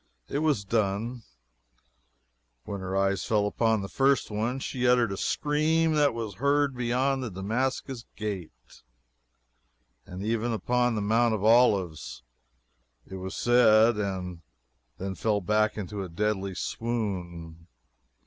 It was done. When her eyes fell upon the first one, she uttered a scream that was heard beyond the Damascus Gate, and even upon the Mount of Olives, it was said, and then fell back in a deadly swoon.